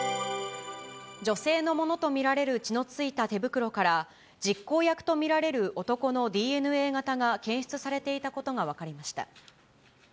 女性のものと見られる血の付いた手袋から、実行役と見られる男のＤＮＡ型が検出されていたことが分かりました。